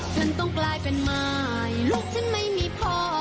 ฉันต้องกลายเป็นหมายลูกฉันไม่มีพ่อ